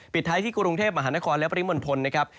ปิดท้ายที่กรุงเทพมหานครและปริมณฑลนะครับ